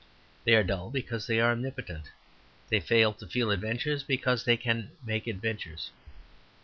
They are dull because they are omnipotent. They fail to feel adventures because they can make the adventures.